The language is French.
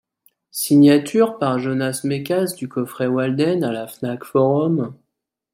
Signature par Jonas Mekas du coffret Walden à la Fnac Forum.